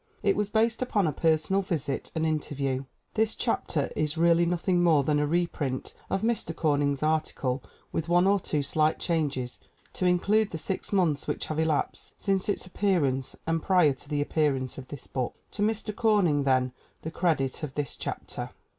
It was based upon a personal visit and interview. This chap ter is really nothing more than a reprint of Mr. Corn ing's article with one or two slight changes to include the six months which have elapsed since its appear ance and prior to the appearance of this book. To Mr. Corning, then, the credit of this chapter.